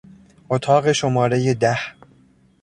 اتاق شمارهی ده